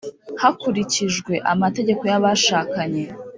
hakurikijwe amategeko y’abashakanye